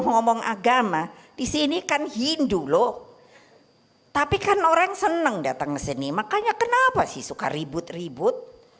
ngomong agama disini kan hindu loh tapi kan orang seneng datang ke sini makanya kenapa sih suka ribut ribut